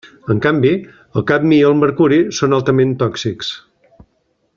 En canvi, el cadmi i el mercuri són altament tòxics.